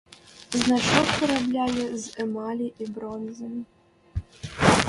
Значок выраблялі з эмалі і бронзы.